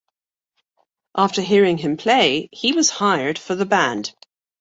After hearing him play he was hired for the band.